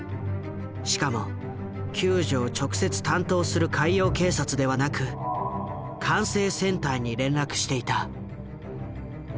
しかも救助を直接担当する海洋警察ではなく管制センターに連絡していた。